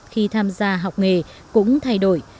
khi tham gia học nghề cũng thay đổi